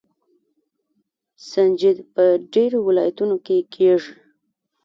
سنجد په ډیرو ولایتونو کې کیږي.